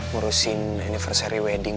merusakan anniversary wedding